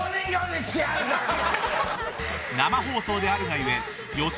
生放送であるがゆえ予想